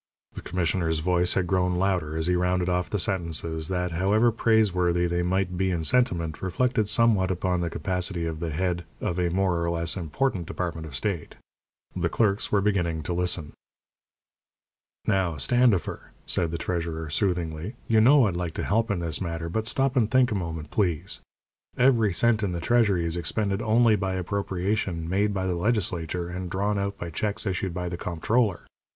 The commissioner's voice had grown louder as he rounded off the sentences that, however praiseworthy they might be in sentiment, reflected somewhat upon the capacity of the head of a more or less important department of state. The clerks were beginning to listen. "Now, Standifer," said the treasurer, soothingly, "you know I'd like to help in this matter, but stop and think a moment, please. Every cent in the treasury is expended only by appropriation made by the legislature, and drawn out by checks issued by the comptroller.